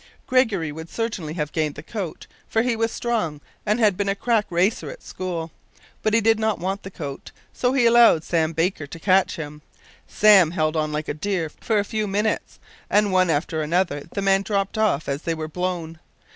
Gregory would certainly have gained the coat, for he was strong, and had been a crack racer at school; but he did not want the coat, so allowed Sam Baker to catch him. Sam held on like a deer for a few minutes, and one after another the men dropped off as they were blown.